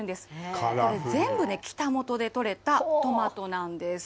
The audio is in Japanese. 全部、北本でとれたトマトなんです。